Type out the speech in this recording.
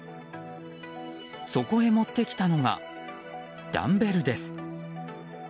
そこへ持ってきたのがダンベルです。